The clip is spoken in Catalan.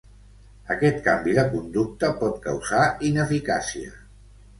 Aquest canvi de conducta pot causar ineficàcia.